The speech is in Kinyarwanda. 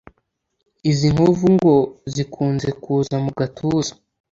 Izi nkovu ngo zikunze kuza mu gatuza